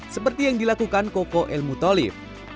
seperti yang dilakukan koko elmutolif